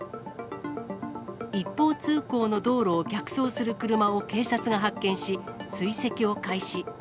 一方通行の道路を逆走する車を警察が発見し、追跡を開始。